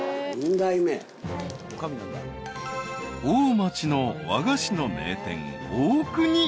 ［大町の和菓子の名店］